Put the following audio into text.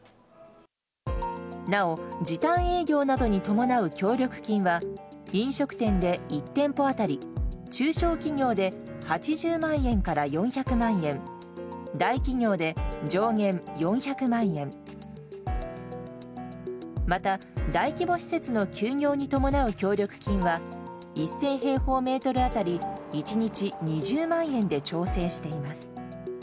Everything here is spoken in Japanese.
なお、時短営業などに伴う協力金は飲食店で１店舗当たり中小企業で８０万円から４００万円大企業で上限４００万円また、大規模施設の休業に伴う協力金は１０００平方メートル当たり１日２０万円で調整しています。